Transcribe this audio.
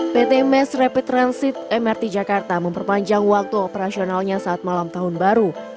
pt mass rapid transit mrt jakarta memperpanjang waktu operasionalnya saat malam tahun baru